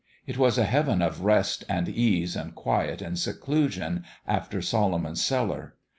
"It was a heaven of rest and ease and quiet and seclusion after Solomon's Cellar.